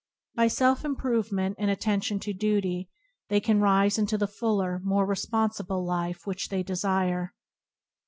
By self improve ment and attention to duty, they can rise into the fuller, more responsible life which they desire.